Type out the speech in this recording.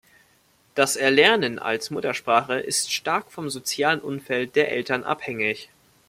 Das Erlernen als Muttersprache ist stark vom sozialen Umfeld der Eltern abhängig.